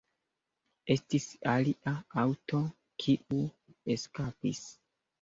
Estis alia aŭto, kiu eskapis.